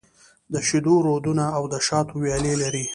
د شېدو رودونه او د شاتو ويالې لري.